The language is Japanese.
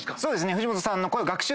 藤本さんの声を。